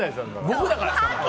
僕だからですかね。